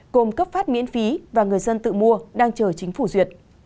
gồm cấp phát miễn phí và người dân tự mua đang chờ chính phủ duyệt